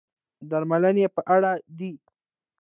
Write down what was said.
درملنې په اړه دي.